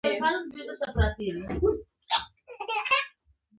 پوهه د قدرت د سرغړونې مخه نیسي.